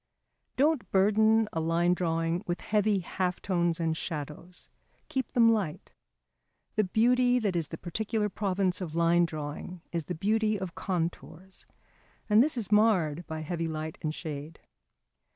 Don't burden a line drawing with heavy half tones and shadows; keep them light. The beauty that is the particular province of line drawing is the beauty of contours, and this is marred by heavy light and shade.